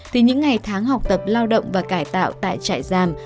thì những ngày tháng học tập lao động và cải tạo tại trại giam